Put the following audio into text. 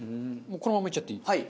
もうこのままいっちゃっていい？